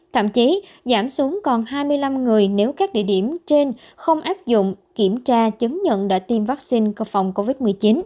thậm chí giảm xuống còn hai mươi năm người nếu các địa điểm trên không áp dụng kiểm tra chứng nhận đã tiêm vaccine có phòng covid một mươi chín